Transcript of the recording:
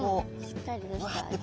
しっかりとした。